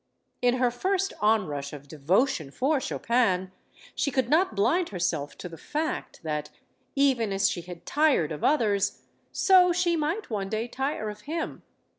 In her first onrush of devotion for Chopin she could not blind herself to the fact that, even as she had tired of others, so she might one day tire of him.